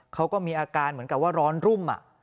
เขาก็มีอาการเหมือนกับว่าร้อนรุ่ม